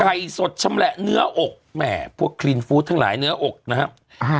ไก่สดชำแหละเนื้ออกแหมพวกทั้งหลายเนื้ออกนะฮะอ่า